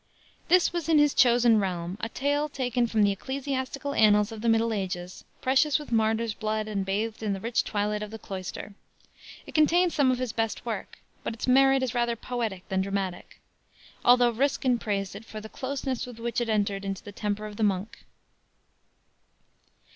This was in his chosen realm; a tale taken from the ecclesiastical annals of the middle ages, precious with martyrs' blood and bathed in the rich twilight of the cloister. It contains some of his best work, but its merit is rather poetic than dramatic; although Ruskin praised it for the closeness with which it entered into the temper of the monk.